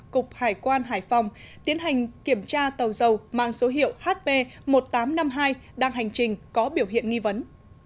cục hải quan hải phòng tiến hành kiểm tra tàu dầu mang số hiệu hp một nghìn tám trăm năm mươi hai đang hành trình có biểu hiện nghi vấn